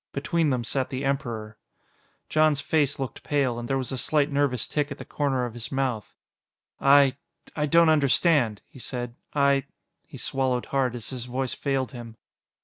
Between them sat the Emperor. Jon's face looked pale, and there was a slight nervous tic at the corner of his mouth. "I ... I don't understand," he said. "I " He swallowed hard as his voice failed him.